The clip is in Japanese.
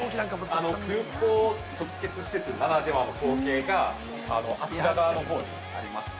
◆空港直結施設ならではの光景が、あちら側のほうにありまして。